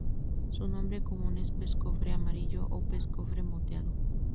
Su nombre común es pez cofre amarillo o pez cofre moteado.